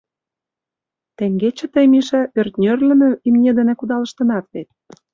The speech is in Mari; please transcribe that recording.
— Теҥгече тый, Миша, ӧртньӧрлымӧ имне дене кудалыштынат вет?